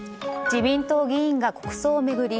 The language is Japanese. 自民党議員が国葬を巡り